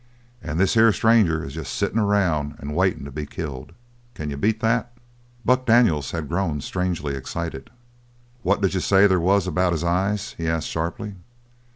And this here stranger is just sittin' around and waitin' to be killed! Can you beat that?" But Buck Daniels had grown strangely excited. "What did you say there was about his eyes?" he asked sharply.